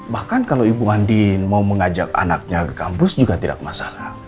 bahkan kalau ibu mandi mau mengajak anaknya ke kampus juga tidak masalah